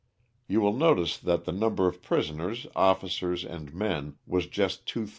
You will notice that the number of prisoners, officers, and men was just 2,000.